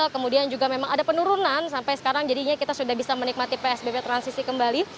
kemudian juga memang ada penurunan sampai sekarang jadinya kita sudah bisa menikmati psbb transisi kembali